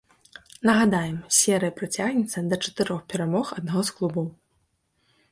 Нагадаем, серыя працягнецца да чатырох перамог аднаго з клубаў.